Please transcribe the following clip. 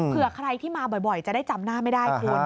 เผื่อใครที่มาบ่อยจะได้จำหน้าไม่ได้คุณ